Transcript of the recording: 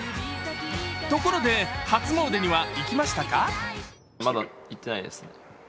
ところで、初詣には行きました？